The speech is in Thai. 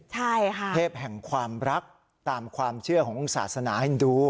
เทพแห่งความรักตามความเชื่อขององค์ศาสนาฮินดู